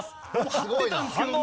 張ってたんですけど。